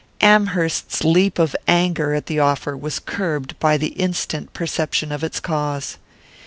Amherst's leap of anger at the offer was curbed by the instant perception of its cause.